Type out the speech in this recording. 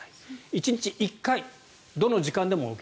１日１回、どの時間でもＯＫ。